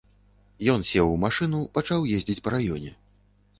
Ён сеў у машыну пачаў ездзіць па раёне.